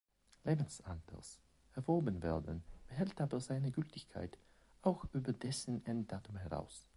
Lebensalters erworben werden, behält aber seine Gültigkeit auch über dessen Enddatum heraus.